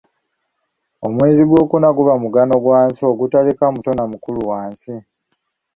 Omwezi gwokuna guba mugano gwa nswa ogutaleka muto na mukulu wansi.